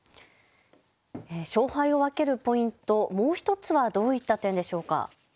勝敗を分けるポイント、もう１つはどういった点でしょうか。